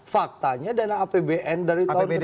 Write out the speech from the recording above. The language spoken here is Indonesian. faktanya dana apbn dari tahun ke